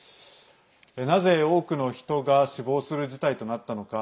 なぜ多くの人が死亡する事態となったのか。